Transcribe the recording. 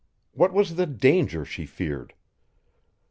What was the danger she feared?